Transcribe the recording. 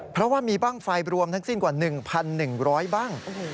เพราะว่ามีบ้างไฟรวมทั้งสิ้นกว่า๑๑๐๐บ้าง